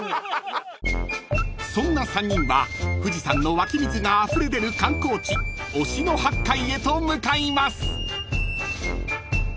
［そんな３人は富士山の湧き水があふれ出る観光地忍野八海へと向かいます］